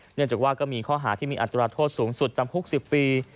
เนื่องจากว่าก็มีข้อหาที่มีอัตราโทษสูงสุดจำคุก๑๐ปี